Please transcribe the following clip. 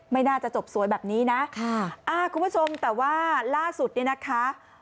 ไม่น่าจะจบสวยแบบนี้นะคุณผู้ชมแต่ว่าล่าสุดนี่นะคะค่ะ